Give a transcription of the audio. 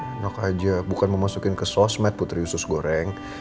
enak aja bukan memasukin ke sosmed putri usus goreng